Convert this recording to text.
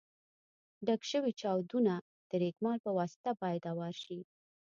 ډک شوي چاودونه د رېګمال په واسطه باید اوار شي.